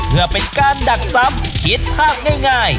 เพื่อเป็นการดักซ้ำคิดภาพง่าย